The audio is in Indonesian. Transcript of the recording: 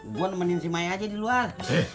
buat nemenin si maya aja di luar